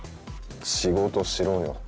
「仕事しろよ」